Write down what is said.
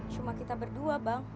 cuma kita berdua bang